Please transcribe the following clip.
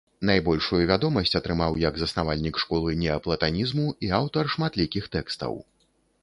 Найбольшую вядомасць атрымаў як заснавальнік школы неаплатанізму і аўтар шматлікіх тэкстаў.